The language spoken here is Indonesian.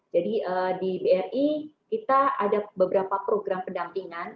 jadi di bri kita ada beberapa program pendampingan